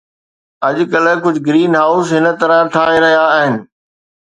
اڄڪلهه، ڪجهه greenhouse هن طرح ٺاهي رهيا آهن